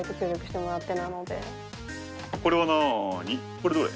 これどれ？